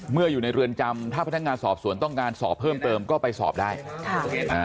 อยู่ในเรือนจำถ้าพนักงานสอบสวนต้องการสอบเพิ่มเติมก็ไปสอบได้ค่ะอ่า